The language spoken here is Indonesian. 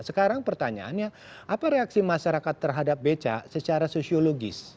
sekarang pertanyaannya apa reaksi masyarakat terhadap becak secara sosiologis